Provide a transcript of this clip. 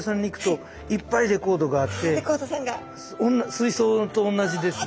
水槽とおんなじですね。